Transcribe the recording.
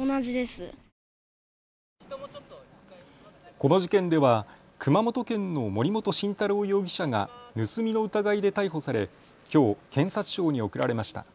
この事件では熊本県の森本晋太郎容疑者が盗みの疑いで逮捕されきょう検察庁に送られました。